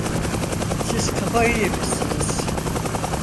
Siz kafayı yemişsiniz.